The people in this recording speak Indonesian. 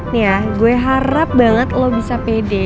nih ya gue harap banget lo bisa pede